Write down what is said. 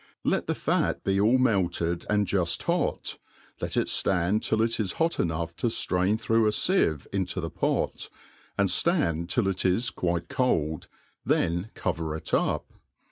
Let the fat be all melted and jufthot, let ic ftand till it is hot enough to ftrain through a fieve into the pot, and ftand til} it is quite cold, then cover it up.